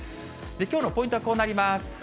きょうのポイントはこうなります。